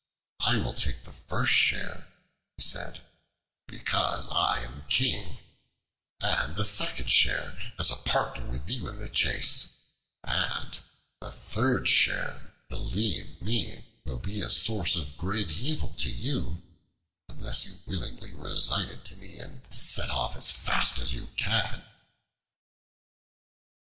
"I will take the first share," he said, "because I am King: and the second share, as a partner with you in the chase: and the third share (believe me) will be a source of great evil to you, unless you willingly resign it to me, and set off as fast as you can."